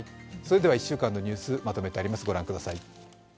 １週間のニュース、まとめてあります。